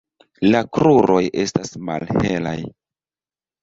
La kruroj estas malhelaj.